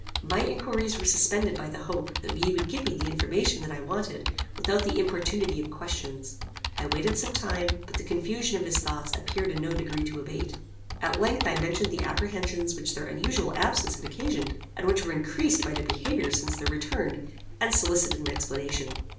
My inquiries were suspended by the hope that he would give me the information that I wanted without the importunity of questions. I waited some time, but the confusion of his thoughts appeared in no degree to abate. At length I mentioned the apprehensions which their unusual absence had occasioned, and which were increased by their behaviour since their return, and solicited an explanation.